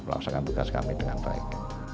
dan kita berlaksana tugas kami dengan baik